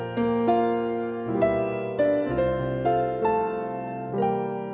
tuhan selalu pimpin aku